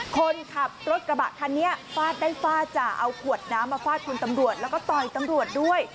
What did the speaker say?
คนขับรถกระบะคันนี้ฟาดได้ฟาดจ้ะเอาขวดน้ำมาฟาดคุณตำรวจแล้วก็ต่อยตำรวจด้วย